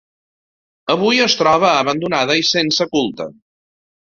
Avui es troba abandonada i sense culte.